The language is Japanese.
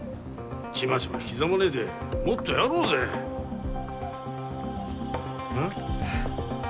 チマチマ刻まねえでもっとやろうぜうん？